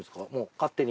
勝手に。